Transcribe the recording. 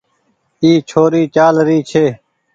اي ڇوري چآل رهي ڇي۔